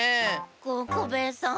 ココベエさん